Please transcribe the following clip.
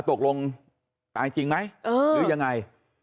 ตกลงตายจริงไหมหรือยังไง